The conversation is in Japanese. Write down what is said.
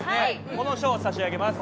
この賞を差し上げます。